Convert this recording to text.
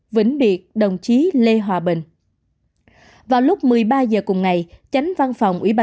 vĩnh biệt đồng chí lê hòa bình vào lúc một mươi ba h cùng ngày tránh văn phòng ủy ban